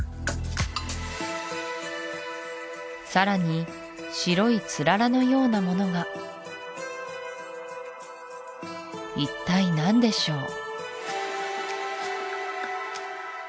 さらに白い氷柱のようなものが一体何でしょう？